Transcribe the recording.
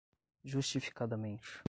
justificadamente